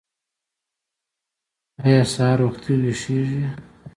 ایا سهار وختي ویښیږئ؟